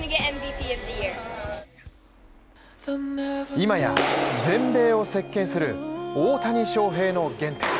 今や全米をせっけんする大谷翔平の原点。